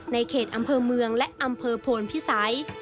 ในเขตอำเภอเมืองและอำเภอโพนพิสัย